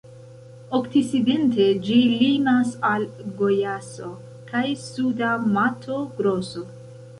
Okcidente ĝi limas al Gojaso kaj Suda Mato-Groso.